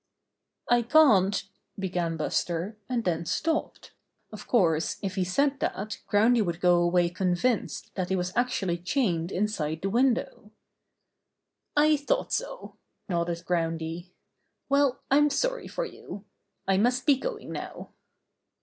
"I can't —" began Buster, and then stopped. Of course, if he said that Groundy would go away convinced that he was actually chained inside the window. "I thought so," nodded Groundy. "Well, I'm sorry for you. I must be going now."